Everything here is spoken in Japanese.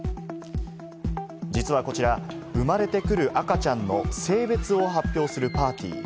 実はこちら、生まれてくる赤ちゃんの性別を発表するパーティー。